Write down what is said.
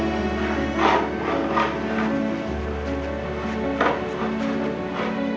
ini udah dekat